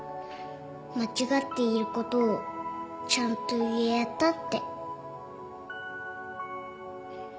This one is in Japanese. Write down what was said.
間違っていることをちゃんと言えたって。